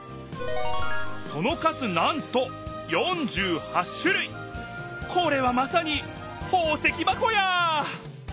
その数なんとこれはまさに「ほう石ばこ」や！